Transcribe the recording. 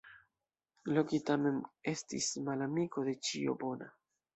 Loki tamen estis malamiko de ĉio bona.